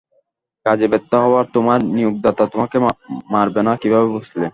কাজে ব্যর্থ হওয়ায় তোমার নিয়োগদাতা তোমাকে মারবে না কীভাবে বুঝলে?